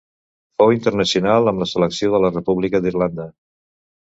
Fou internacional amb la selecció de la República d'Irlanda.